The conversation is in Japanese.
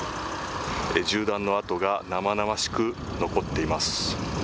銃弾の痕が生々しく残っています。